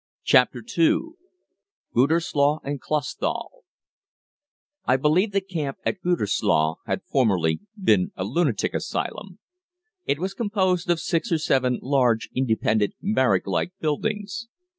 CHAPTER II GUTERSLOH AND CLAUSTHAL I believe the camp at Gütersloh had formerly been a lunatic asylum. It was composed of six or seven large independent barrack like buildings.